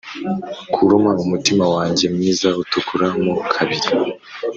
kuruma umutima wanjye mwiza utukura mo kabiri.